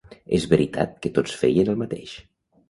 És veritat que tots feien el mateix